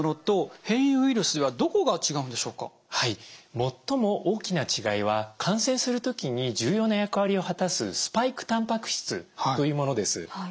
最も大きな違いは感染する時に重要な役割を果たすスパイクたんぱく質というものです。